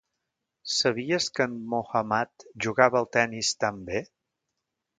Sabies que en Mohammad jugava al tennis tan bé?